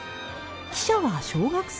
記者は小学生！